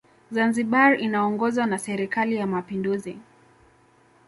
zanzibar inaongozwa na serikali ya mapinduzi